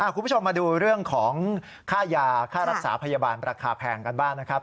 คุณผู้ชมมาดูเรื่องของค่ายาค่ารักษาพยาบาลราคาแพงกันบ้างนะครับ